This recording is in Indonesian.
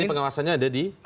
jadi pengawasannya ada di